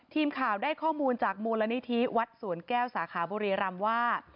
ทีมข่าวได้ข้อมูลจากมูลนิธิวัดสวนแก้วสาขาบุรีรำว่า